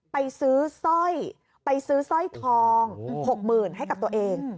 ไปซื้อสร้อยทอง๖๐๐๐๐บาทให้กับตัวเอง